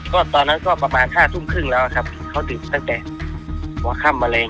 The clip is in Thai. ก็ตอนนั้นก็ประมาณ๕ทุ่มครึ่งแล้วครับเขาดึกตั้งแต่หัวค่ำมะเร็ง